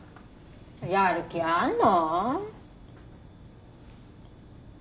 やる気あんの？